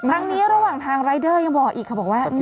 ทั้งนี้ระหว่างทางรายเดอร์ยังบอกอีกค่ะบอกว่า